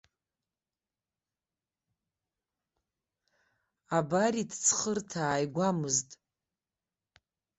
Абаритҵхырҭа ааигәамызт.